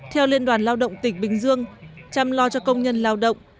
theo liên đoàn lao động tỉnh bình dương chăm lo cho công nhân lao động